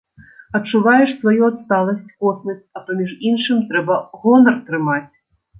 Адчуваеш сваю адсталасць, коснасць, а паміж іншым трэба гонар трымаць!